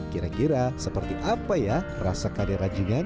kira kira seperti apa ya rasa kare ranjungan